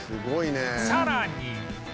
さらに